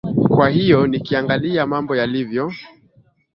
kwa hiyo nikiangalia mambo yalivyo